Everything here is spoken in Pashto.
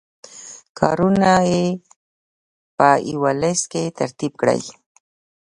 کارونه یې په یوه لست کې ترتیب کړئ.